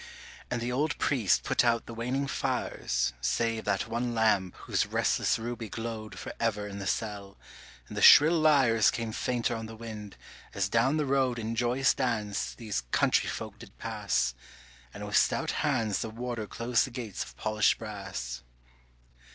And the old priest put out the waning fires Save that one lamp whose restless ruby glowed For ever in the cell, and the shrill lyres Came fainter on the wind, as down the road In joyous dance these country folk did pass, And with stout hands the warder closed the gates of polished brass.